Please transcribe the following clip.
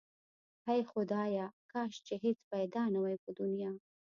هی خدایا کاش چې هیڅ پیدا نه واي په دی دنیا